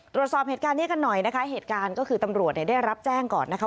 ตรวจสอบเหตุการณ์นี้กันหน่อยนะคะเหตุการณ์ก็คือตำรวจเนี่ยได้รับแจ้งก่อนนะคะ